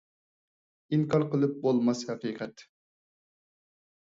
ئىنكار قىلىپ بولماس ھەقىقەت!